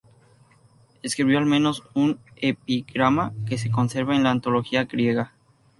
Escribió al menos un epigrama que se conserva en la antología griega.